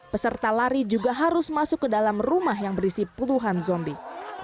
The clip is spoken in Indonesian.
peserta lari juga harus masuk ke dalam rumah yang berisi puluhan zombie